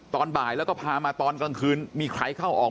ตอนบ่ายแล้วก็พามาตอนกลางคืนมีใครเข้าออก